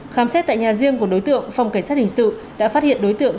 khám xét tại nhà riêng của đối tượng phòng cảnh sát hình sự đã phát hiện đối tượng